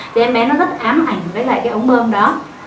thì em bé nó rất ám ảnh với lại cái ống bơm đó